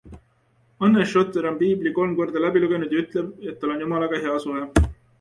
Anne Schotter on Piibli kolm korda läbi lugenud ja ütleb, et tal on Jumalaga hea suhe.